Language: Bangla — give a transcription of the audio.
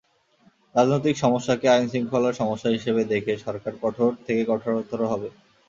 রাজনৈতিক সমস্যাকে আইনশৃঙ্খলার সমস্যা হিসেবে দেখে সরকার কঠোর থেকে কঠোরতর হবে।